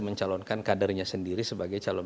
mencalonkan kadernya sendiri sebagai calon